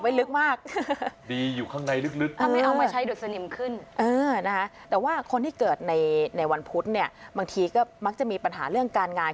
พื้นฐานดวงที่เป็นคนที่เก่งดีแบบมีความสามารถ